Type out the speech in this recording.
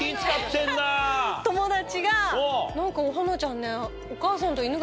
友達が何かおはなちゃんね。